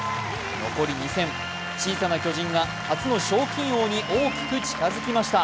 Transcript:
残り２戦、小さな巨人が初の賞金王に大きく近づきました。